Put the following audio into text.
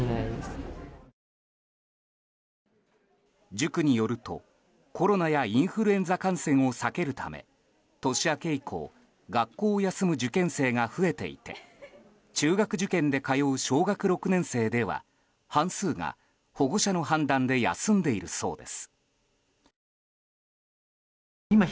塾によるとコロナやインフルエンザ感染を避けるため年明け以降学校を休む受験生が増えていて中学受験で通う小学６年生では半数が保護者の判断で休んでいるそうです。